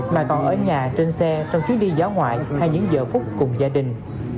mà còn ở nhà trên xe trong chuyến đi gió ngoại hay những giờ phút cùng gia đình